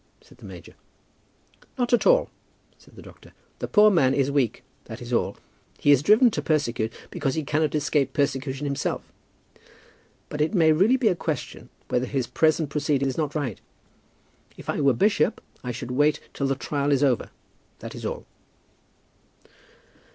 said the major. "Not at all," said the doctor. "The poor man is weak; that is all. He is driven to persecute because he cannot escape persecution himself. But it may really be a question whether his present proceeding is not right. If I were bishop I should wait till the trial was over; that is all."